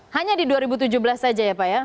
hanya di dua ribu tujuh belas saja ya pak ya